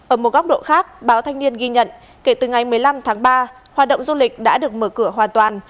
ở một góc độ khác báo thanh niên ghi nhận kể từ ngày một mươi năm tháng ba hoạt động du lịch đã được mở cửa hoàn toàn